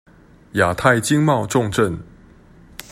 亞太經貿重鎮